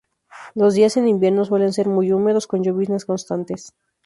Los días en invierno suelen ser muy húmedos, con lloviznas constantes.